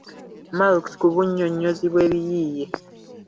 Malx mu bunnyonnyozi bw’ebiyiiye: